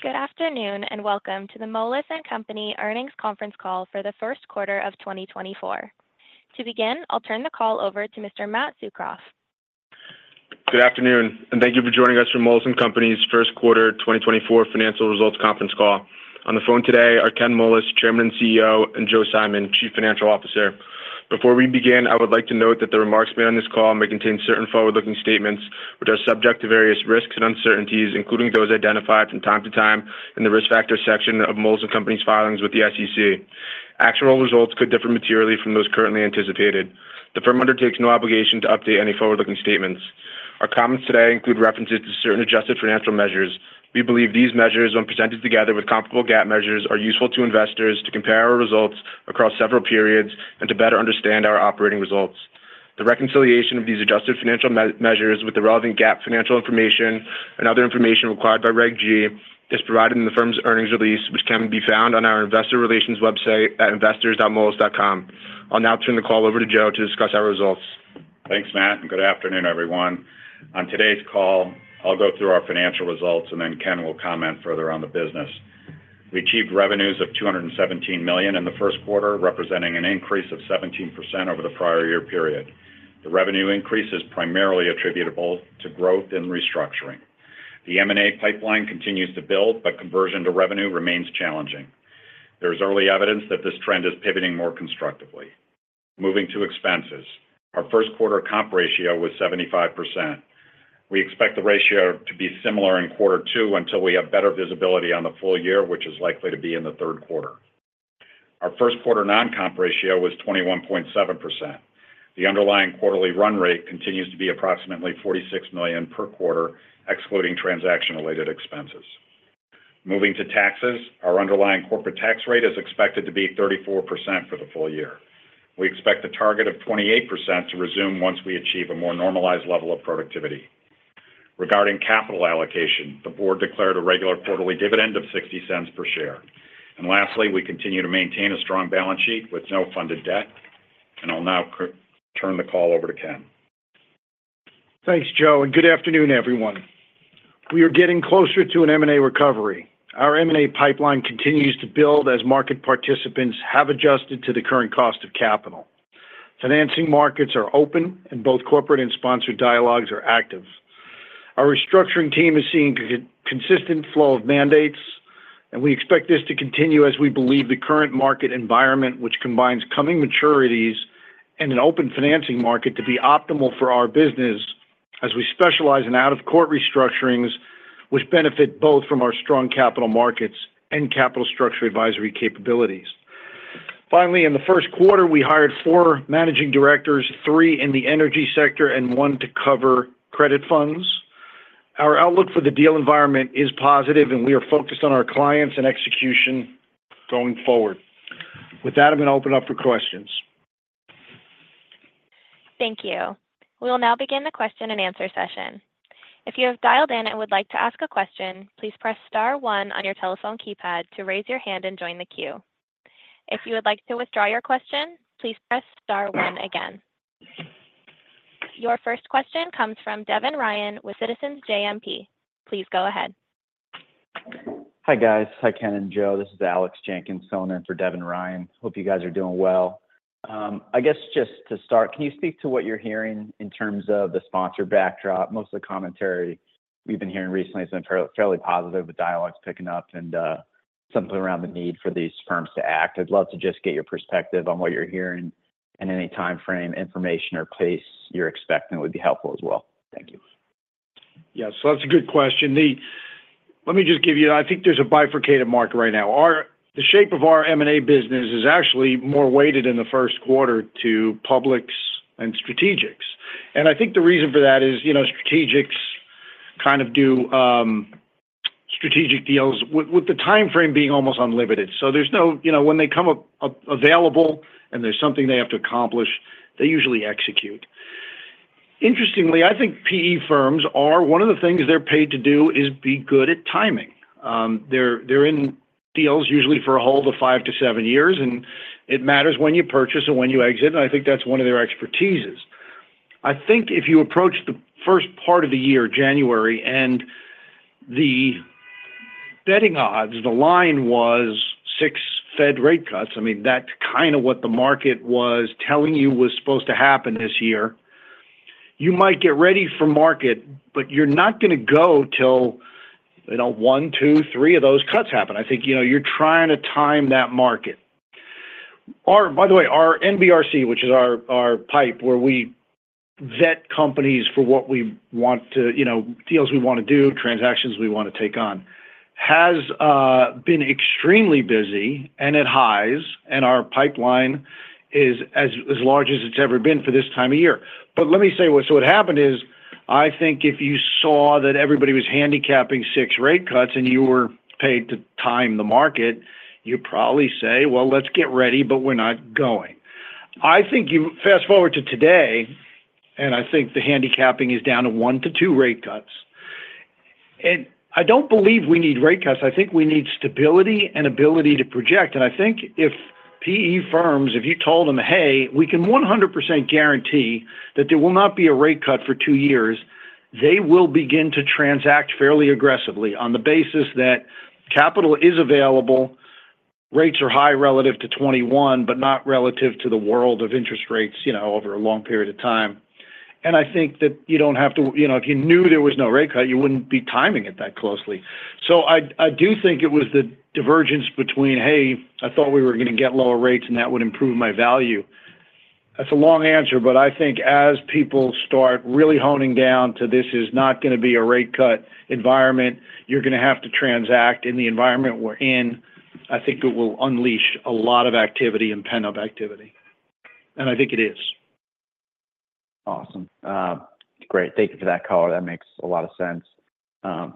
Good afternoon and welcome to the Moelis & Company Earnings Conference Call for the First Quarter of 2024. To begin, I'll turn the call over to Mr. Matt Tsukroff. Good afternoon, and thank you for joining us for Moelis & Company's First Quarter 2024 Financial Results Conference Call. On the phone today are Ken Moelis, Chairman and CEO, and Joe Simon, Chief Financial Officer. Before we begin, I would like to note that the remarks made on this call may contain certain forward-looking statements, which are subject to various risks and uncertainties, including those identified from time to time in the risk factor section of Moelis & Company's filings with the SEC. Actual results could differ materially from those currently anticipated. The firm undertakes no obligation to update any forward-looking statements. Our comments today include references to certain adjusted financial measures. We believe these measures, when presented together with comparable GAAP measures, are useful to investors to compare our results across several periods and to better understand our operating results. The reconciliation of these adjusted financial measures with the relevant GAAP financial information and other information required by Reg G is provided in the firm's earnings release, which can be found on our investor relations website at investors.moelis.com. I'll now turn the call over to Joe to discuss our results. Thanks, Matt, and good afternoon, everyone. On today's call, I'll go through our financial results, and then Ken will comment further on the business. We achieved revenues of $217 million in the first quarter, representing an increase of 17% over the prior year period. The revenue increase is primarily attributable to growth and restructuring. The M&A pipeline continues to build, but conversion to revenue remains challenging. There is early evidence that this trend is pivoting more constructively. Moving to expenses, our first quarter comp ratio was 75%. We expect the ratio to be similar in quarter two until we have better visibility on the full year, which is likely to be in the third quarter. Our first quarter non-comp ratio was 21.7%. The underlying quarterly run rate continues to be approximately $46 million per quarter, excluding transaction-related expenses. Moving to taxes, our underlying corporate tax rate is expected to be 34% for the full year. We expect the target of 28% to resume once we achieve a more normalized level of productivity. Regarding capital allocation, the board declared a regular quarterly dividend of $0.60 per share. Lastly, we continue to maintain a strong balance sheet with no funded debt. I'll now turn the call over to Ken. Thanks, Joe, and good afternoon, everyone. We are getting closer to an M&A recovery. Our M&A pipeline continues to build as market participants have adjusted to the current cost of capital. Financing markets are open, and both corporate and sponsored dialogues are active. Our restructuring team is seeing a consistent flow of mandates, and we expect this to continue as we believe the current market environment, which combines coming maturities and an open financing market, to be optimal for our business as we specialize in out-of-court restructurings, which benefit both from our strong capital markets and capital structure advisory capabilities. Finally, in the first quarter, we hired four managing directors, three in the energy sector, and one to cover credit funds. Our outlook for the deal environment is positive, and we are focused on our clients and execution going forward. With that, I'm going to open up for questions. Thank you. We will now begin the question and answer session. If you have dialed in and would like to ask a question, please press star 1 on your telephone keypad to raise your hand and join the queue. If you would like to withdraw your question, please press star 1 again. Your first question comes from Devin Ryan with Citizens JMP. Please go ahead. Hi guys. Hi Ken and Joe. This is Alex Jenkins in for Devin Ryan. Hope you guys are doing well. I guess just to start, can you speak to what you're hearing in terms of the sponsor backdrop? Most of the commentary we've been hearing recently has been fairly positive, with dialogues picking up and something around the need for these firms to act. I'd love to just get your perspective on what you're hearing and any time frame information or pace you're expecting would be helpful as well. Thank you. Yeah, so that's a good question. Let me just give you. I think there's a bifurcated market right now. The shape of our M&A business is actually more weighted in the first quarter to publics and strategics. And I think the reason for that is strategics kind of do strategic deals with the time frame being almost unlimited. So there's no when they come available and there's something they have to accomplish, they usually execute. Interestingly, I think PE firms, one of the things they're paid to do is be good at timing. They're in deals usually for a hold of 5-7 years, and it matters when you purchase and when you exit, and I think that's one of their expertise. I think if you approach the first part of the year, January, and the betting odds, the line was six Fed rate cuts. I mean, that's kind of what the market was telling you was supposed to happen this year. You might get ready for market, but you're not going to go till one, two, three of those cuts happen. I think you're trying to time that market. By the way, our NBRC, which is our pipeline where we vet companies for the deals we want to do, transactions we want to take on, has been extremely busy, and it has, and our pipeline is as large as it's ever been for this time of year. But let me say what. What happened is I think if you saw that everybody was handicapping six rate cuts and you were paid to time the market, you'd probably say, "Well, let's get ready, but we're not going." I think you fast forward to today, and I think the handicapping is down to 1-2 rate cuts. I don't believe we need rate cuts. I think we need stability and ability to project. I think if PE firms, if you told them, "Hey, we can 100% guarantee that there will not be a rate cut for two years," they will begin to transact fairly aggressively on the basis that capital is available, rates are high relative to 2021, but not relative to the world of interest rates over a long period of time. And I think that you don't have to if you knew there was no rate cut, you wouldn't be timing it that closely. So I do think it was the divergence between, "Hey, I thought we were going to get lower rates, and that would improve my value." That's a long answer, but I think as people start really honing down to this is not going to be a rate cut environment, you're going to have to transact in the environment we're in. I think it will unleash a lot of activity and pent-up activity. And I think it is. Awesome. Great. Thank you for that color. That makes a lot of sense.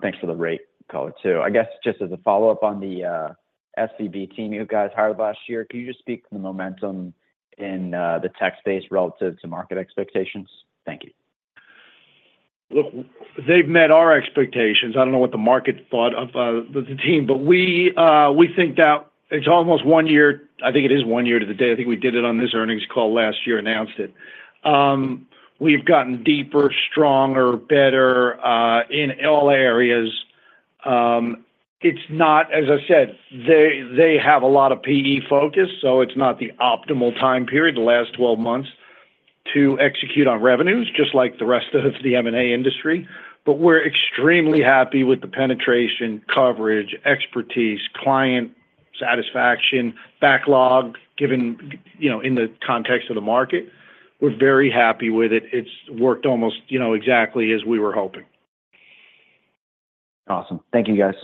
Thanks for the rate call, too. I guess just as a follow-up on the SVB team you guys hired last year, can you just speak to the momentum in the tech space relative to market expectations? Thank you. Look, they've met our expectations. I don't know what the market thought of the team, but we think that it's almost one year. I think it is one year to the day. I think we did it on this earnings call last year, announced it. We've gotten deeper, stronger, better in all areas. It's not, as I said, they have a lot of PE focus, so it's not the optimal time period, the last 12 months, to execute on revenues, just like the rest of the M&A industry. But we're extremely happy with the penetration, coverage, expertise, client satisfaction, backlog given in the context of the market. We're very happy with it. It's worked almost exactly as we were hoping. Awesome. Thank you, guys.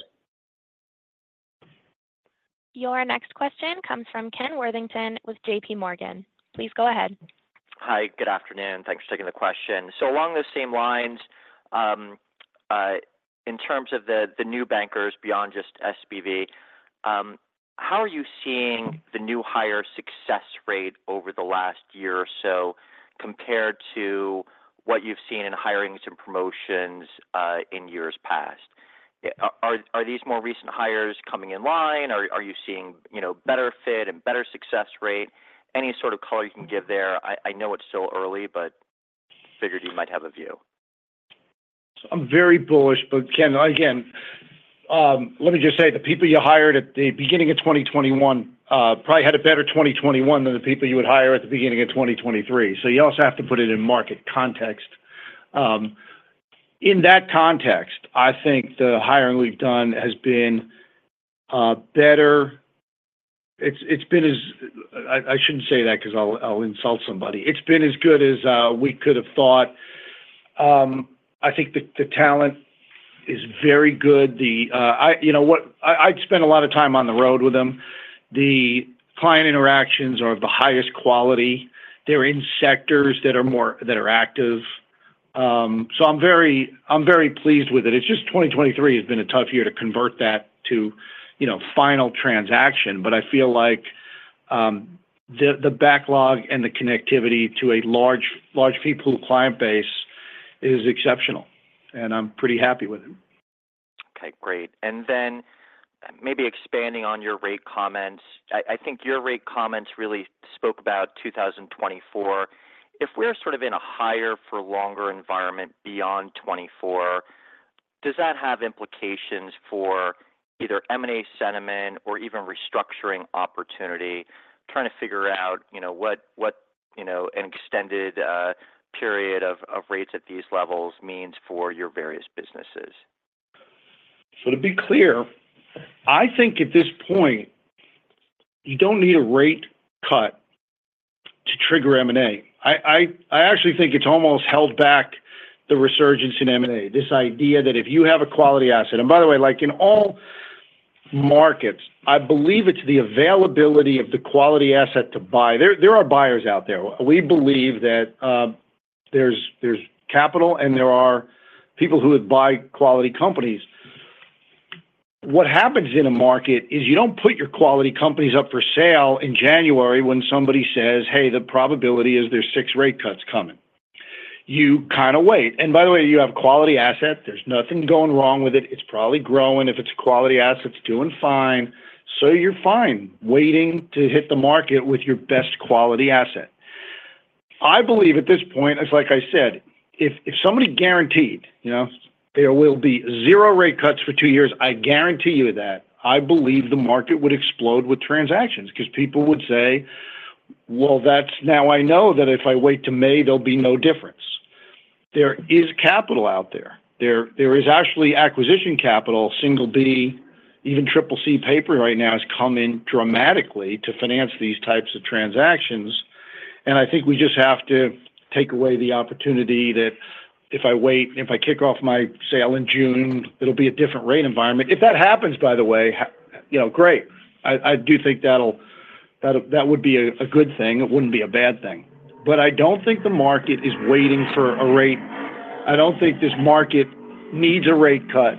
Your next question comes from Ken Worthington with JPMorgan. Please go ahead. Hi. Good afternoon. Thanks for taking the question. So along those same lines, in terms of the new bankers beyond just SVB, how are you seeing the new hire success rate over the last year or so compared to what you've seen in hirings and promotions in years past? Are these more recent hires coming in line, or are you seeing better fit and better success rate? Any sort of color you can give there. I know it's still early, but figured you might have a view. So I'm very bullish, but Ken, again, let me just say, the people you hired at the beginning of 2021 probably had a better 2021 than the people you would hire at the beginning of 2023. So you also have to put it in market context. In that context, I think the hiring we've done has been better. It's been as I shouldn't say that because I'll insult somebody. It's been as good as we could have thought. I think the talent is very good. I'd spend a lot of time on the road with them. The client interactions are of the highest quality. They're in sectors that are active. So I'm very pleased with it. It's just 2023 has been a tough year to convert that to final transaction, but I feel like the backlog and the connectivity to a large people client base is exceptional, and I'm pretty happy with it. Okay. Great. And then maybe expanding on your rate comments, I think your rate comments really spoke about 2024. If we're sort of in a higher-for-longer environment beyond 2024, does that have implications for either M&A sentiment or even restructuring opportunity? Trying to figure out what an extended period of rates at these levels means for your various businesses. To be clear, I think at this point, you don't need a rate cut to trigger M&A. I actually think it's almost held back the resurgence in M&A, this idea that if you have a quality asset and by the way, in all markets, I believe it's the availability of the quality asset to buy. There are buyers out there. We believe that there's capital, and there are people who would buy quality companies. What happens in a market is you don't put your quality companies up for sale in January when somebody says, "Hey, the probability is there's six rate cuts coming." You kind of wait. And by the way, you have quality asset. There's nothing going wrong with it. It's probably growing. If it's a quality asset, it's doing fine. So you're fine waiting to hit the market with your best quality asset. I believe at this point, like I said, if somebody guaranteed there will be zero rate cuts for two years, I guarantee you that I believe the market would explode with transactions because people would say, "Well, now I know that if I wait to May, there'll be no difference." There is capital out there. There is actually acquisition capital. Single-B, even Triple-C paper right now has come in dramatically to finance these types of transactions. And I think we just have to take away the opportunity that if I wait, if I kick off my sale in June, it'll be a different rate environment. If that happens, by the way, great. I do think that would be a good thing. It wouldn't be a bad thing. But I don't think the market is waiting for a rate. I don't think this market needs a rate cut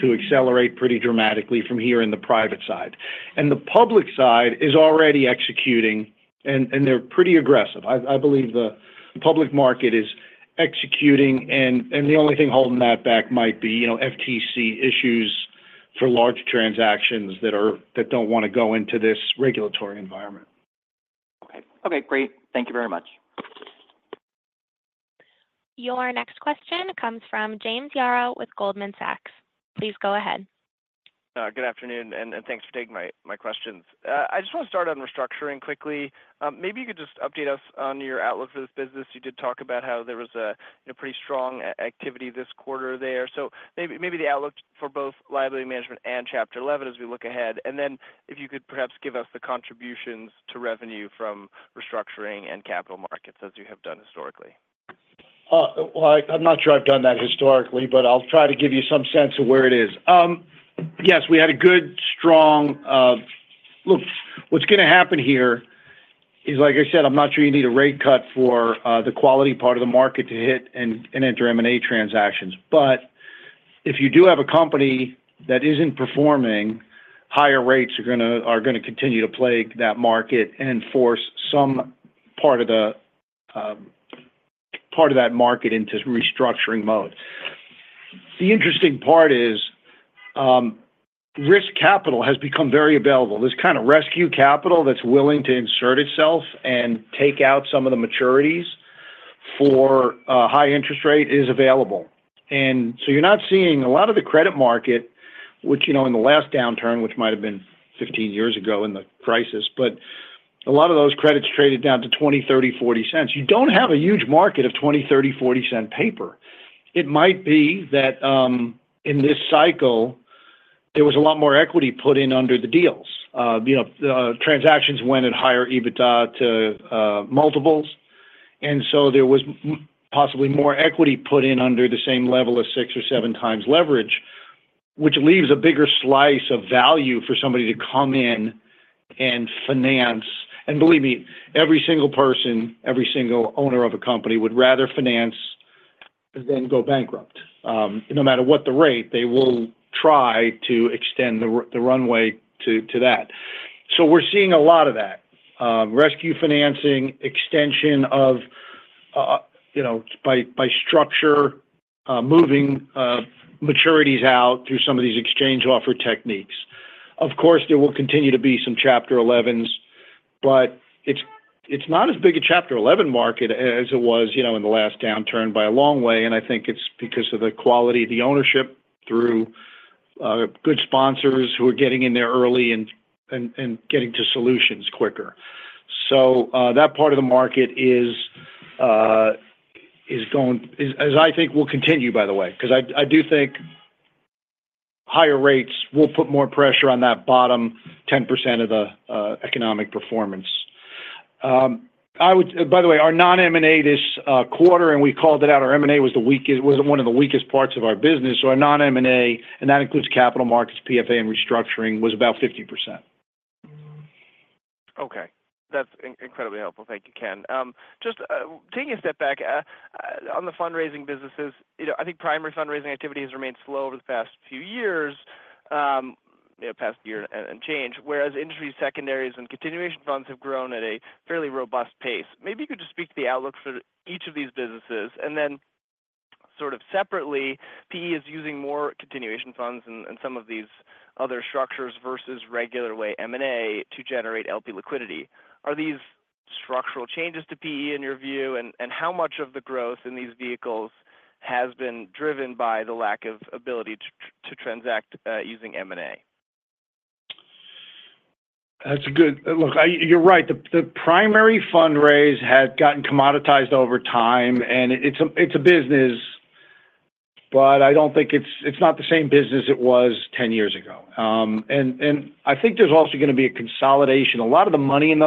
to accelerate pretty dramatically from here in the private side. The public side is already executing, and they're pretty aggressive. I believe the public market is executing, and the only thing holding that back might be FTC issues for large transactions that don't want to go into this regulatory environment. Okay. Okay. Great. Thank you very much. Your next question comes from James Yarrow with Goldman Sachs. Please go ahead. Good afternoon, and thanks for taking my questions. I just want to start on restructuring quickly. Maybe you could just update us on your outlook for this business. You did talk about how there was a pretty strong activity this quarter there. So maybe the outlook for both liability management and Chapter 11 as we look ahead. And then if you could perhaps give us the contributions to revenue from restructuring and capital markets as you have done historically. Well, I'm not sure I've done that historically, but I'll try to give you some sense of where it is. Yes, we had a good, strong look. What's going to happen here is, like I said, I'm not sure you need a rate cut for the quality part of the market to hit and enter M&A transactions. But if you do have a company that isn't performing, higher rates are going to continue to plague that market and force some part of that market into restructuring mode. The interesting part is risk capital has become very available. This kind of rescue capital that's willing to insert itself and take out some of the maturities for high interest rate is available. You're not seeing a lot of the credit market, which in the last downturn, which might have been 15 years ago in the crisis, but a lot of those credits traded down to $0.20, $0.30, $0.40. You don't have a huge market of 20, 30, 40-cent paper. It might be that in this cycle, there was a lot more equity put in under the deals. Transactions went at higher EBITDA to multiples. There was possibly more equity put in under the same level of 6 or 7 times leverage, which leaves a bigger slice of value for somebody to come in and finance. Believe me, every single person, every single owner of a company would rather finance than go bankrupt. No matter what the rate, they will try to extend the runway to that. So we're seeing a lot of that, rescue financing, extension of by structure, moving maturities out through some of these exchange offer techniques. Of course, there will continue to be some Chapter 11s, but it's not as big a Chapter 11 market as it was in the last downturn by a long way. And I think it's because of the quality of the ownership through good sponsors who are getting in there early and getting to solutions quicker. So that part of the market is going, as I think will continue, by the way, because I do think higher rates will put more pressure on that bottom 10% of the economic performance. By the way, our non-M&A this quarter, and we called it out, our M&A was one of the weakest parts of our business. So our non-M&A, and that includes capital markets, PFA, and restructuring, was about 50%. Okay. That's incredibly helpful. Thank you, Ken. Just taking a step back on the fundraising businesses, I think primary fundraising activity has remained slow over the past few years, past year and change, whereas industry secondaries and continuation funds have grown at a fairly robust pace. Maybe you could just speak to the outlook for each of these businesses. And then sort of separately, PE is using more continuation funds and some of these other structures versus regular-way M&A to generate LP liquidity. Are these structural changes to PE in your view, and how much of the growth in these vehicles has been driven by the lack of ability to transact using M&A? That's a good look, you're right. The primary fundraise has gotten commoditized over time, and it's a business, but I don't think it's not the same business it was 10 years ago. And I think there's also going to be a consolidation. A lot of the money in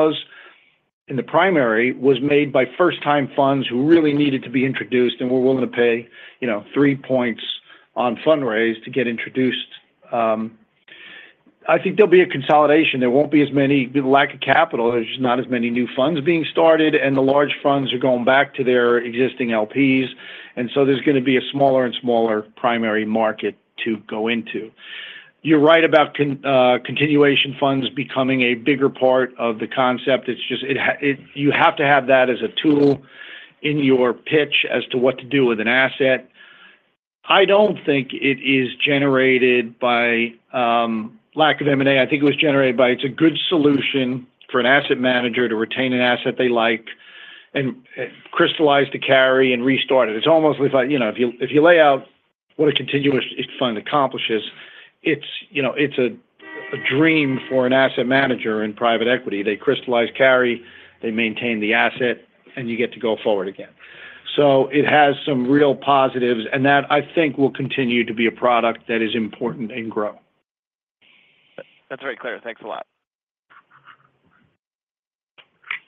the primary was made by first-time funds who really needed to be introduced and were willing to pay three points on fundraise to get introduced. I think there'll be a consolidation. There won't be as many lack of capital. There's just not as many new funds being started, and the large funds are going back to their existing LPs. And so there's going to be a smaller and smaller primary market to go into. You're right about continuation funds becoming a bigger part of the concept. You have to have that as a tool in your pitch as to what to do with an asset. I don't think it is generated by lack of M&A. I think it was generated by. It's a good solution for an asset manager to retain an asset they like and crystallize to carry and restart it. It's almost if you lay out what a continuous fund accomplishes, it's a dream for an asset manager in private equity. They crystallize, carry, they maintain the asset, and you get to go forward again. So it has some real positives, and that, I think, will continue to be a product that is important and grow. That's very clear. Thanks a lot.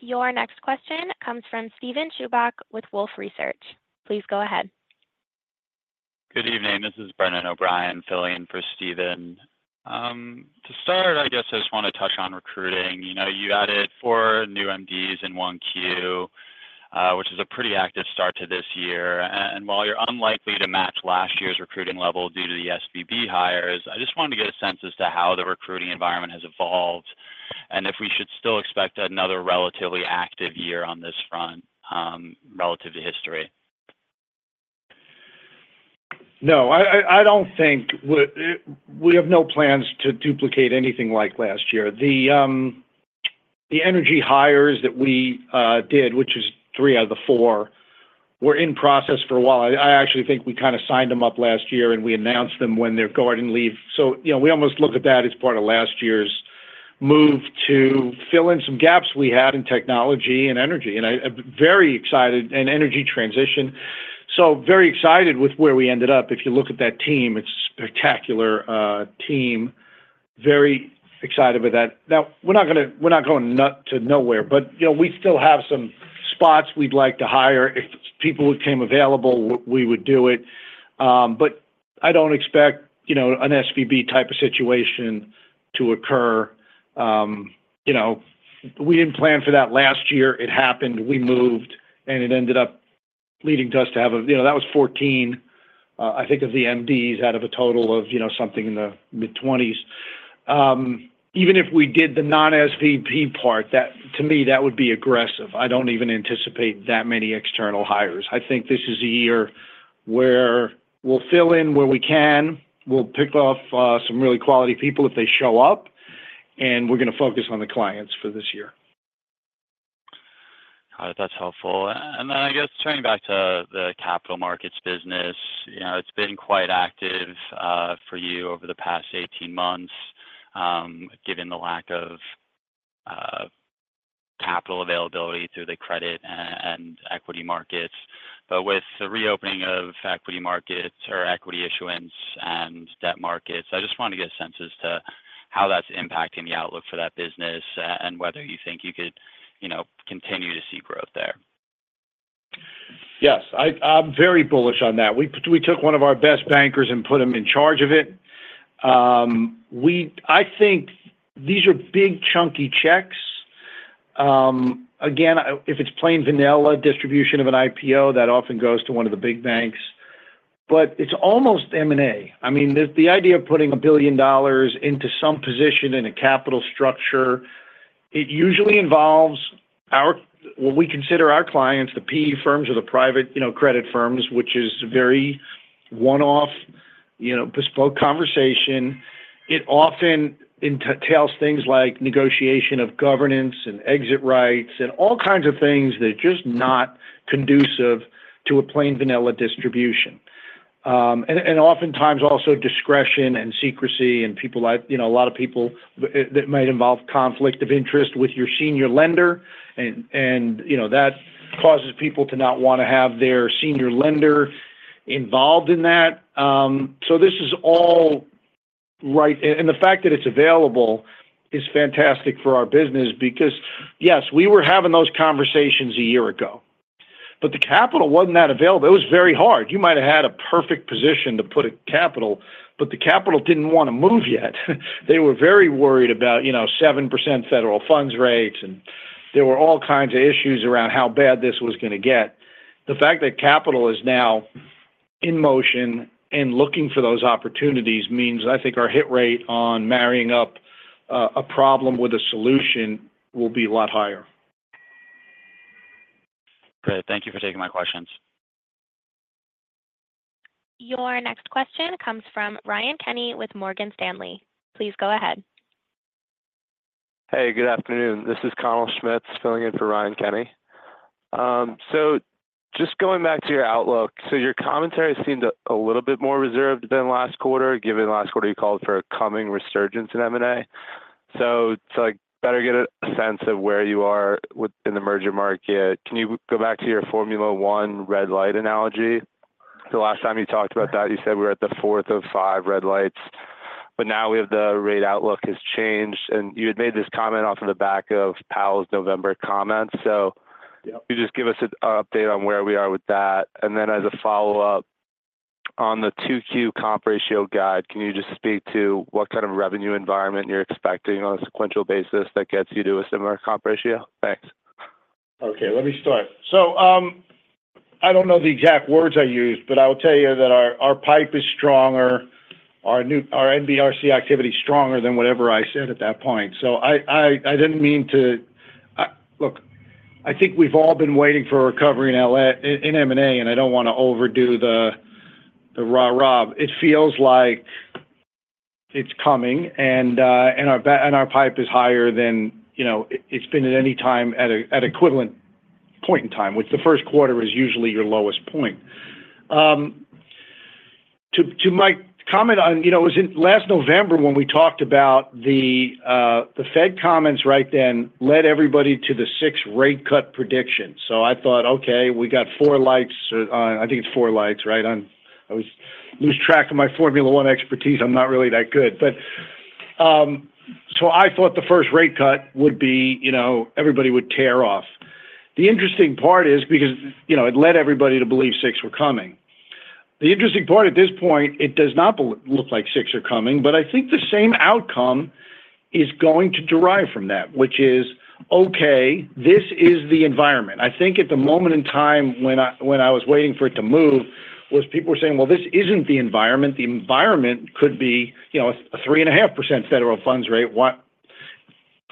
Your next question comes from Steven Chubak with Wolfe Research. Please go ahead. Good evening. This is Brendan O'Brien, filling in for Steven. To start, I guess I just want to touch on recruiting. You added four new MDs in one Q, which is a pretty active start to this year. And while you're unlikely to match last year's recruiting level due to the SVB hires, I just wanted to get a sense as to how the recruiting environment has evolved and if we should still expect another relatively active year on this front relative to history. No, I don't think we have no plans to duplicate anything like last year. The energy hires that we did, which is three out of the four, were in process for a while. I actually think we kind of signed them up last year, and we announced them when their garden leave. So we almost look at that as part of last year's move to fill in some gaps we had in technology and energy. And I'm very excited and energy transition. So very excited with where we ended up. If you look at that team, it's a spectacular team. Very excited with that. Now, we're not going to nowhere, but we still have some spots we'd like to hire. If people came available, we would do it. But I don't expect an SVB type of situation to occur. We didn't plan for that last year. It happened. We moved, and it ended up leading us to have a that was 14, I think, of the MDs out of a total of something in the mid-20s. Even if we did the non-SVB part, to me, that would be aggressive. I don't even anticipate that many external hires. I think this is a year where we'll fill in where we can. We'll pick off some really quality people if they show up, and we're going to focus on the clients for this year. That's helpful. Then I guess turning back to the capital markets business, it's been quite active for you over the past 18 months given the lack of capital availability through the credit and equity markets. With the reopening of equity markets or equity issuance and debt markets, I just wanted to get a sense as to how that's impacting the outlook for that business and whether you think you could continue to see growth there. Yes, I'm very bullish on that. We took one of our best bankers and put him in charge of it. I think these are big, chunky checks. Again, if it's plain vanilla distribution of an IPO, that often goes to one of the big banks. But it's almost M&A. I mean, the idea of putting $1 billion into some position in a capital structure, it usually involves what we consider our clients, the PE firms or the private credit firms, which is very one-off, bespoke conversation. It often entails things like negotiation of governance and exit rights and all kinds of things that are just not conducive to a plain vanilla distribution. And oftentimes, also discretion and secrecy and people like a lot of people that might involve conflict of interest with your senior lender. That causes people to not want to have their senior lender involved in that. This is all right. The fact that it's available is fantastic for our business because, yes, we were having those conversations a year ago, but the capital wasn't that available. It was very hard. You might have had a perfect position to put capital, but the capital didn't want to move yet. They were very worried about 7% federal funds rates, and there were all kinds of issues around how bad this was going to get. The fact that capital is now in motion and looking for those opportunities means I think our hit rate on marrying up a problem with a solution will be a lot higher. Great. Thank you for taking my questions. Your next question comes from Ryan Kenney with Morgan Stanley. Please go ahead. Hey, good afternoon. This is Connell Schmitz filling in for Ryan Kenney. So just going back to your outlook, so your commentary seemed a little bit more reserved than last quarter given last quarter you called for a coming resurgence in M&A. So to better get a sense of where you are in the merger market, can you go back to your Formula One red light analogy? The last time you talked about that, you said we were at the fourth of five red lights, but now we have the rate outlook has changed. And you had made this comment off of the back of Powell's November comments. So could you just give us an update on where we are with that? And then as a follow-up, on the Q2 comp ratio guide, can you just speak to what kind of revenue environment you're expecting on a sequential basis that gets you to a similar comp ratio? Thanks. Okay. Let me start. So I don't know the exact words I used, but I will tell you that our pipe is stronger. Our NBRC activity is stronger than whatever I said at that point. So I didn't mean to look. I think we've all been waiting for recovery in M&A, and I don't want to overdo the rah rah. It feels like it's coming, and our pipe is higher than it's been at any time at equivalent point in time, which the first quarter is usually your lowest point. To my comment on it was last November when we talked about the Fed comments right then led everybody to the 6 rate cut predictions. So I thought, "Okay, we got 4 lights on." I think it's 4 lights, right? I was losing track of my Formula One expertise. I'm not really that good. So I thought the first rate cut would be everybody would tear off. The interesting part is because it led everybody to believe six were coming. The interesting part at this point, it does not look like six are coming, but I think the same outcome is going to derive from that, which is, "Okay, this is the environment." I think at the moment in time when I was waiting for it to move was people were saying, "Well, this isn't the environment. The environment could be a 3.5% federal funds rate."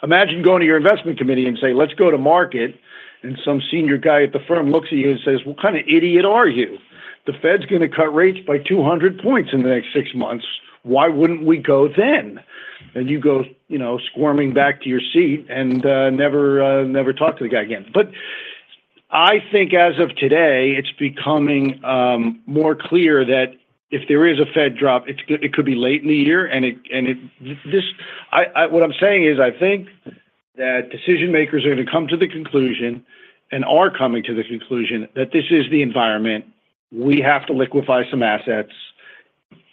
Imagine going to your investment committee and saying, "Let's go to market," and some senior guy at the firm looks at you and says, "What kind of idiot are you? The Fed's going to cut rates by 200 points in the next six months. Why wouldn't we go then?" And you go squirming back to your seat and never talk to the guy again. But I think as of today, it's becoming more clear that if there is a Fed drop, it could be late in the year. And what I'm saying is I think that decision-makers are going to come to the conclusion and are coming to the conclusion that this is the environment. We have to liquefy some assets.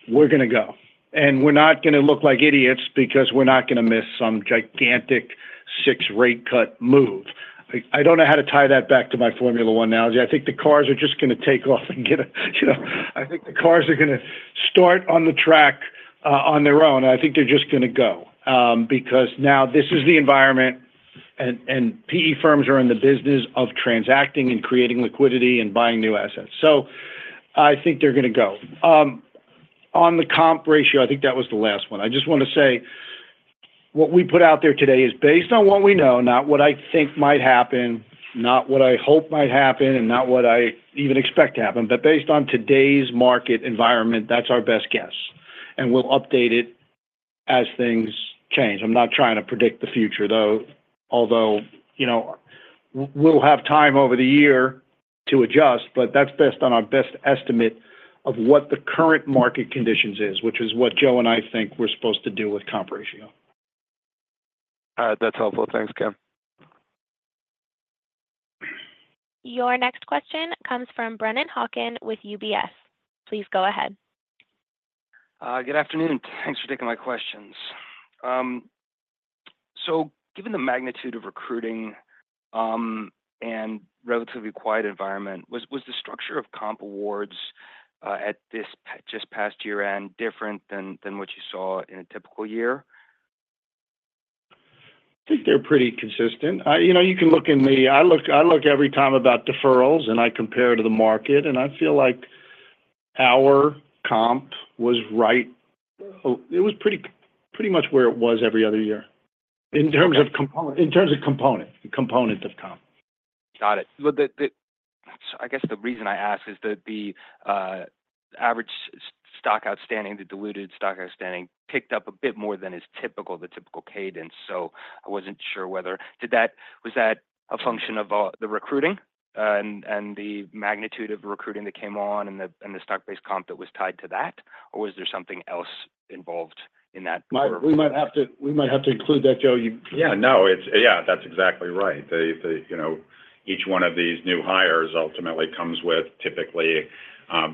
We're going to go. And we're not going to look like idiots because we're not going to miss some gigantic six rate cut move. I don't know how to tie that back to my Formula One analogy. I think the cars are just going to take off. I think the cars are going to start on the track on their own. I think they're just going to go because now this is the environment, and PE firms are in the business of transacting and creating liquidity and buying new assets. So I think they're going to go. On the comp ratio, I think that was the last one. I just want to say what we put out there today is based on what we know, not what I think might happen, not what I hope might happen, and not what I even expect to happen, but based on today's market environment, that's our best guess. We'll update it as things change. I'm not trying to predict the future, though, although we'll have time over the year to adjust, but that's based on our best estimate of what the current market conditions is, which is what Joe and I think we're supposed to do with comp ratio. That's helpful. Thanks, Ken. Your next question comes from Brennan Hawken with UBS. Please go ahead. Good afternoon. Thanks for taking my questions. Given the magnitude of recruiting and relatively quiet environment, was the structure of comp awards at this just past year-end different than what you saw in a typical year? I think they're pretty consistent. You can look in the.. I look every time about deferrals, and I compare to the market, and I feel like our comp was right. It was pretty much where it was every other year in terms of component in terms of component, the component of comp. Got it. I guess the reason I ask is that the average stock outstanding, the diluted stock outstanding, picked up a bit more than is typical, the typical cadence. So I wasn't sure whether was that a function of the recruiting and the magnitude of recruiting that came on and the stock-based comp that was tied to that, or was there something else involved in that? We might have to include that, Joe. Yeah, no. Yeah, that's exactly right. Each one of these new hires ultimately comes with, typically,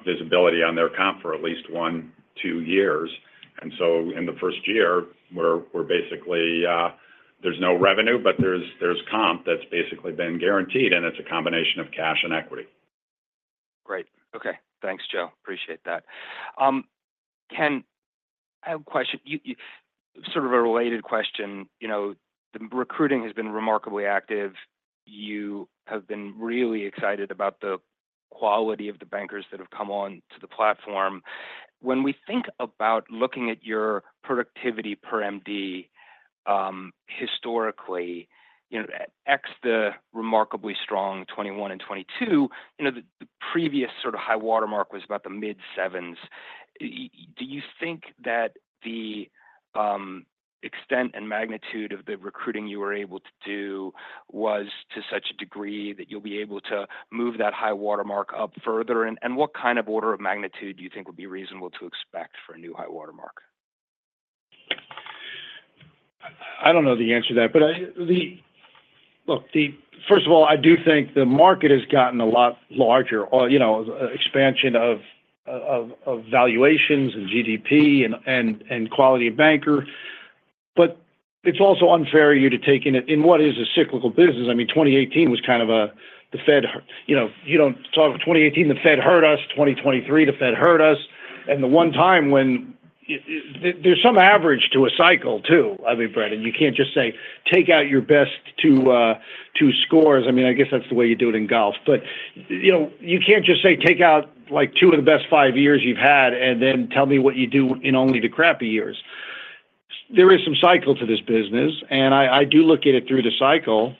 visibility on their comp for at least 1, 2 years. And so in the first year, there's no revenue, but there's comp that's basically been guaranteed, and it's a combination of cash and equity. Great. Okay. Thanks, Joe. Appreciate that. Ken, I have a question, sort of a related question. The recruiting has been remarkably active. You have been really excited about the quality of the bankers that have come on to the platform. When we think about looking at your productivity per MD historically, ex the remarkably strong 2021 and 2022, the previous sort of high watermark was about the mid-7s. Do you think that the extent and magnitude of the recruiting you were able to do was to such a degree that you'll be able to move that high watermark up further? And what kind of order of magnitude do you think would be reasonable to expect for a new high watermark? I don't know the answer to that. But look, first of all, I do think the market has gotten a lot larger, expansion of valuations and GDP and quality of banker. But it's also unfair you to take in it in what is a cyclical business. I mean, 2018 was kind of the Fed you don't talk 2018, the Fed hurt us. 2023, the Fed hurt us. And the one time when there's some average to a cycle, too, I mean, Brendan, you can't just say, "Take out your best two scores." I mean, I guess that's the way you do it in golf. But you can't just say, "Take out two of the best five years you've had and then tell me what you do in only the crappy years." There is some cycle to this business, and I do look at it through the cycle.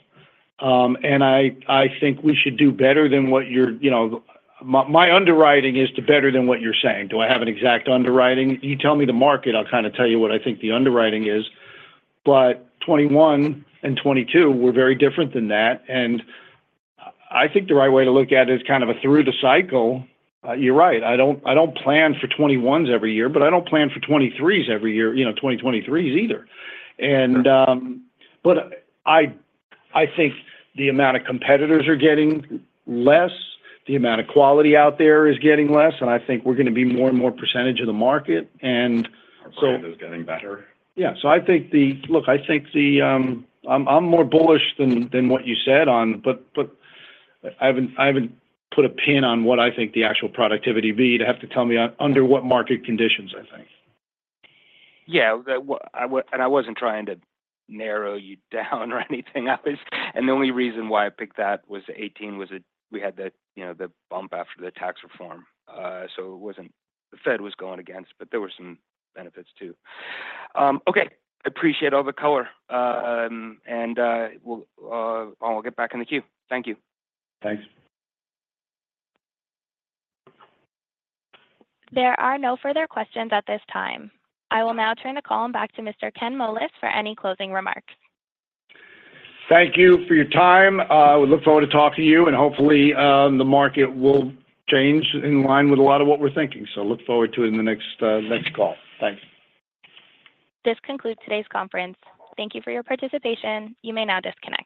I think we should do better than what you're saying. My underwriting is to better than what you're saying. Do I have an exact underwriting? You tell me the market, I'll kind of tell you what I think the underwriting is. But 2021 and 2022 were very different than that. And I think the right way to look at it is kind of a through-the-cycle. You're right. I don't plan for 2021s every year, but I don't plan for 2023s every year, 2023s either. But I think the amount of competitors are getting less. The amount of quality out there is getting less. And I think we're going to be more and more percentage of the market, and so. Are competitors getting better? Yeah. So I think, look, I'm more bullish than what you said on, but I haven't put a pin on what I think the actual productivity would be. You'd have to tell me under what market conditions, I think. Yeah. And I wasn't trying to narrow you down or anything. And the only reason why I picked that was 2018 was we had the bump after the tax reform. So the Fed was going against, but there were some benefits, too. Okay. I appreciate all the color. And I'll get back in the queue. Thank you. Thanks. There are no further questions at this time. I will now turn the call back to Mr. Ken Moelis for any closing remarks. Thank you for your time. We look forward to talking to you, and hopefully, the market will change in line with a lot of what we're thinking. So look forward to it in the next call. Thanks. This concludes today's conference. Thank you for your participation. You may now disconnect.